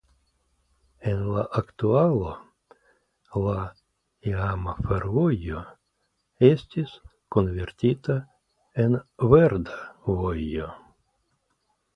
En la aktualo la iama fervojo estis konvertita en verda vojo.